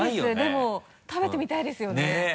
でも食べてみたいですよね。ねぇ！